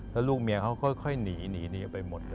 แล้วลูกเมียเขาก็ค่อยหนีไปหมด